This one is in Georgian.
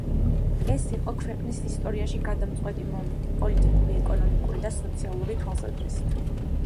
ეს იყო ქვეყნის ისტორიაში გადამწყვეტი მომენტი პოლიტიკური, ეკონომიკური და სოციალური თვალსაზრისით.